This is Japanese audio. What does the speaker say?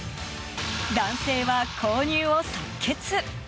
男性は購入を即決！